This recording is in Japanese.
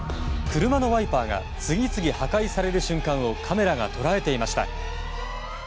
車のワイパーが次々破壊される瞬間をカメラが捉えていました。